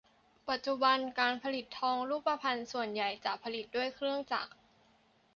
ปัจจุบันการผลิตทองรูปพรรณส่วนใหญ่จะผลิตด้วยเครื่องจักร